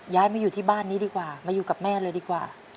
ย้ายมาอยู่ที่บ้านนี้ดีกว่ามาอยู่กับแม่เลยดีกว่า